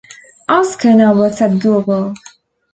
Oskar now works at Google.